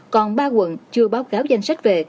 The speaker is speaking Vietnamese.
còn ba quận chưa báo cáo danh sách về